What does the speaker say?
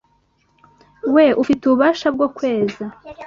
we ufite ububasha bwo kweza